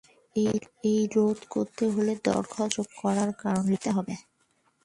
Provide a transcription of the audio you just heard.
এটা রোধ করতে হলে দরখাস্ত নাকচ করার কারণ লিখিত হতে হবে।